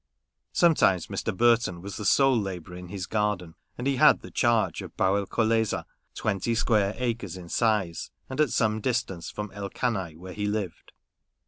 Sometimes Mr. Burton was the sole labourer in this garden ; and he had the charge of Baugh el Colleza, twenty square acres in size, and at some distance from El Kanai, where he lived.